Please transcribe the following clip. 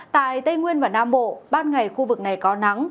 tại tây nguyên và nam bộ ban ngày khu vực này có nắng